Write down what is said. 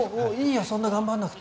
そんなに頑張らなくて。